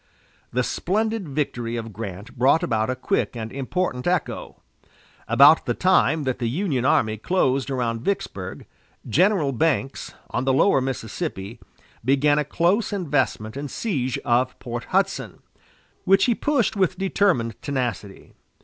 The splendid victory of Grant brought about a quick and important echo. About the time that the Union army closed around Vicksburg, General Banks, on the lower Mississippi, began a close investment and siege of Port Hudson, which he pushed with determined tenacity.